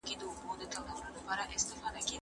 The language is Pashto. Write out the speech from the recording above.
ما د سبا لپاره د هنرونو تمرين کړی دی!!